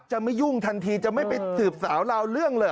ไม่ยุ่งทันทีจะไม่ไปสืบสาวราวเรื่องเลย